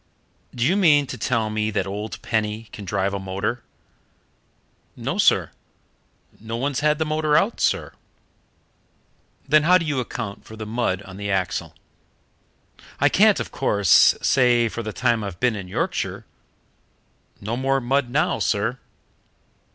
"Do you mean to tell me that old Penny can drive a motor?" "No, sir; no one's had the motor out, sir." "Then how do you account for the mud on the axle?" "I can't, of course, say for the time I've been in Yorkshire. No more mud now, sir."